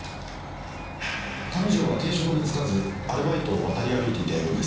上条は定職に就かずアルバイトを渡り歩いていたようです。